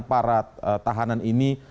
para tahanan ini